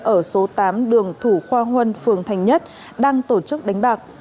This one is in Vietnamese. ở số tám đường thủ khoa huân phường thành nhất đang tổ chức đánh bạc